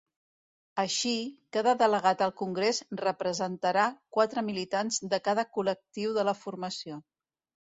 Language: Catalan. Així, cada delegat al congrés representarà quatre militants de cada col·lectiu de la formació.